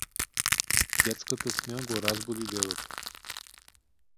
Детската смеа го разбуди дедото.